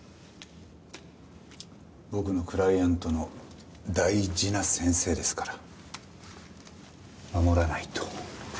僕のクライアントの大事な先生ですから護らないと。